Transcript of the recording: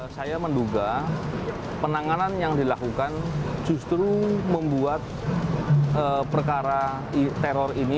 saya menduga penanganan yang dilakukan justru membuat perkara teror ini